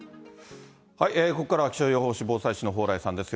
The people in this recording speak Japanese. ここからは気象予報士、防災士の蓬莱さんです。